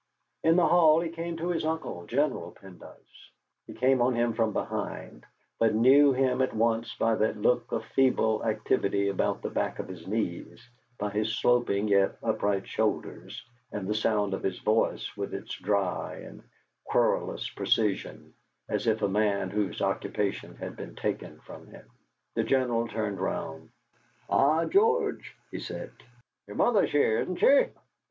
In the hall he came on his uncle, General Pendyce. He came on him from behind, but knew him at once by that look of feeble activity about the back of his knees, by his sloping yet upright shoulders, and the sound of his voice, with its dry and querulous precision, as of a man whose occupation has been taken from him. The General turned round. "Ah, George," he said, "your mother's here, isn't she?